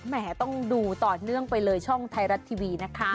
แหมต้องดูต่อเนื่องไปเลยช่องไทยรัฐทีวีนะคะ